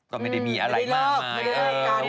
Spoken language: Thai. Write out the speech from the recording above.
ก็ไม่ได้มีอะไรมากมาย